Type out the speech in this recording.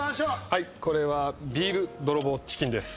はいこれはビール泥棒チキンです